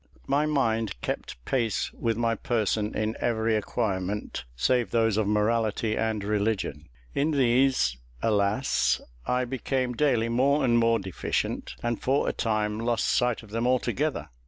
My mind kept pace with my person in every acquirement save those of morality and religion. In these, alas! I became daily more and more deficient, and for a time lost sight of them altogether.